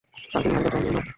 কাল কি নীহারিকার জন্মদিন না?